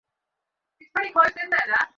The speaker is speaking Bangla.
কথাটা তোমায় বলতে ইচ্ছা করছিল।